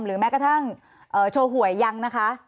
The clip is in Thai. แม้กระทั่งโชว์หวยยังนะคะ